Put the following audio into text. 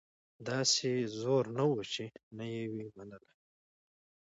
داسي زور نه وو چي نه یې وي منلي